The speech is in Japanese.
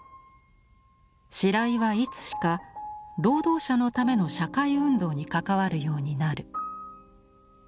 白井はいつしか労働者のための社会運動に関わるようになる。